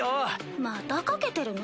また賭けてるの？